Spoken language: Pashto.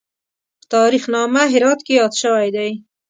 په تاریخ نامه هرات کې یاد شوی دی.